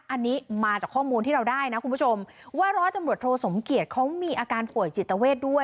อันนี้มาจากข้อมูลที่เราได้นะคุณผู้ชมว่าร้อยตำรวจโทสมเกียจเขามีอาการป่วยจิตเวทด้วย